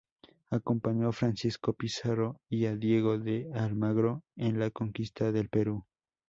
Acompañó a Francisco Pizarro y a Diego de Almagro en la conquista del Perú.